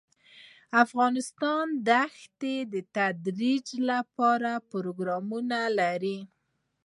افغانستان د ښتې د ترویج لپاره پروګرامونه لري.